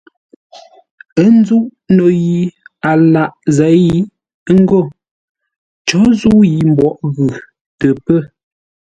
Ə́ nzúʼ no yi a lǎʼ zěi, ə́ ngó: có zə̂u yǐ mboʼ ə́ ghʉ tə pə́.